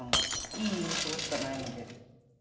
いい印象しかないので。